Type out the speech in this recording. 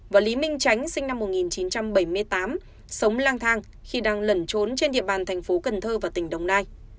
và lý minh tránh sinh năm một nghìn chín trăm bảy mươi tám sống lang thang khi đang lẩn trốn trên địa bàn thành phố cần thơ và tỉnh đồng nai